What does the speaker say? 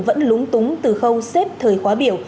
vẫn lúng túng từ khâu xếp thời khóa biểu